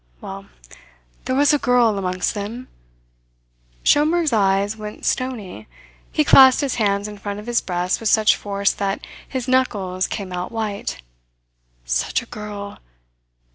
Well, there was a girl amongst them " Schomberg's eyes went stony; he clasped his hands in front of his breast with such force that his knuckles came out white. "Such a girl!